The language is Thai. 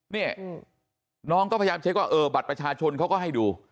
นี่น้องก็พยายามเช็คว่าเออบัตรประชาชนเขาก็ให้ดู